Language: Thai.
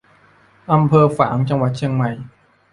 อำเภอฝาง จังหวัดเชียงใหม่